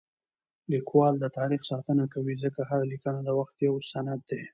لیکوالی د تاریخ ساتنه کوي ځکه هره لیکنه د وخت یو سند دی.